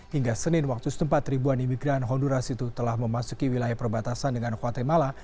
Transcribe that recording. hingga senin waktu setempat ribuan imigran honduras itu telah memasuki wilayah perbatasan dengan guatemala